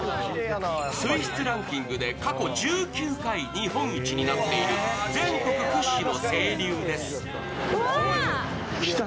水質ランキングで過去１９回日本一になっている全国屈指の清流です。